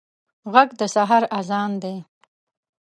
غږ د سحر اذان دی